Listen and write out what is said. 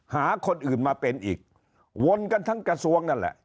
หาคนอื่นมาเป็นอีกวนกันทั้งกระทรวงนั่นแหละ